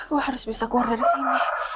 gue harus bisa keluar dari sini